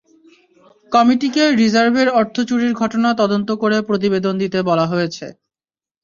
কমিটিকে রিজার্ভের অর্থ চুরির ঘটনা তদন্ত করে প্রতিবেদন দিতে বলা হয়েছে।